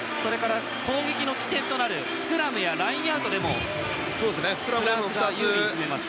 攻撃の起点となるスクラムやラインアウトでもフランスが有利に進めました。